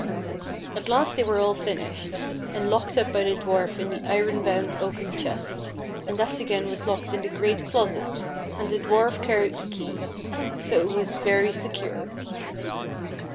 At last they were all finished, and locked up by the dwarf in the iron bound oaken chest, and that again was locked in the great closet, and the dwarf carried the key. So it was very secure.